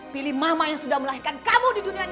pilih mama yang sudah melahirkan kamu di dunia ini